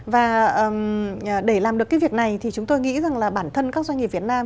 và để làm được cái việc này thì chúng tôi nghĩ rằng là bản thân các doanh nghiệp việt nam